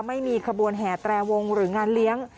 ไม่มีขบวนแห่แตรวงหรืองานเลี้ยง